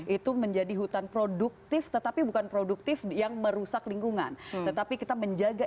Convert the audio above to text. itu menjadi hutan produktif tetapi bukan produktif yang merusak lingkungan tetapi kita menjaga